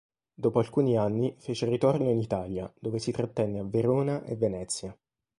Dopo alcuni anni fece ritorno in Italia, dove si trattenne a Verona e Venezia.